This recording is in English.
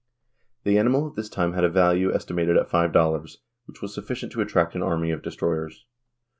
The animal at this time had a value estimated at $5, which was sufficient to attract an army of destroyers.